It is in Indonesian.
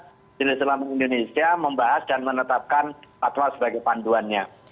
majelis ulama indonesia membahas dan menetapkan fatwa sebagai panduannya